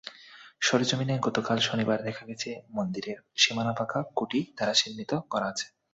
সরেজমিনে গতকাল শনিবার দেখা গেছে, মন্দিরের সীমানা পাকা খুঁটি দ্বারা চিহ্নিত করা আছে।